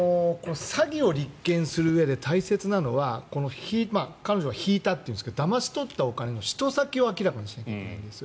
詐欺を立件するうえで大切なのは彼女は引いたというんですがだまし取ったお金の使途先を明らかにしないといけないんです。